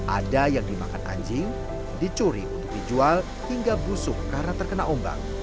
ada yang dimakan anjing dicuri untuk dijual hingga busuk karena terkena ombak